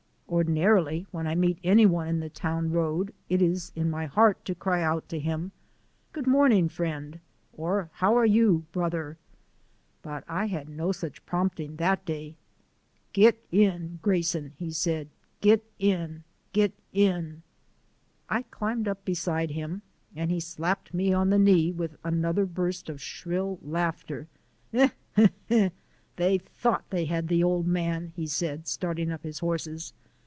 Ordinarily when I meet any one in the town road it is in my heart to cry out to him, "Good morning, friend," or, "How are you, brother?" but I had no such prompting that day. "Git in, Grayson," he said; "git in, git in." I climbed up beside him, and he slapped me on the knee with another burst of shrill laughter. "They thought they had the old man," he said, starting up his horses.